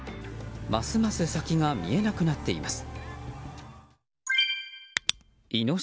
ますます先が見えなくなっています。